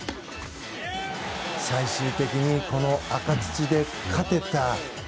最終的に赤土で勝てた。